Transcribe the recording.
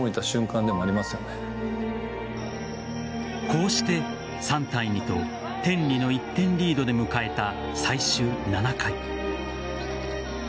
こうして３対２と天理の１点リードで迎えた最終７回。